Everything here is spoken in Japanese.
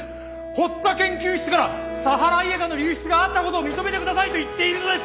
堀田研究室からサハライエカの流出があったことを認めてくださいと言っているのです！